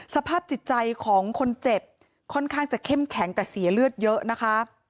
สภาพจิตใจของคนเจ็บค่อนข้างจะเข้มแข็งแต่เสียเลือดเยอะนะคะ